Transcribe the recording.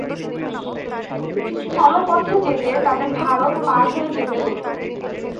স্থলপথে যেতে তাদের ভারত পার হয়ে যেতে হত।